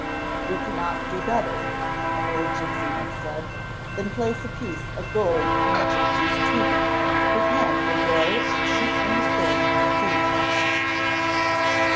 "We cannot do better,' an old gipsy once said, "then place a piece of _ gold on a gipsy's tomb, his hand will grow and shoot from the soil to seize it."